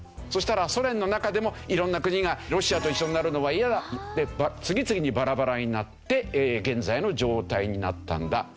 そしたらソ連の中でも色んな国がロシアと一緒になるのは嫌だっていって次々にバラバラになって現在の状態になったんだ。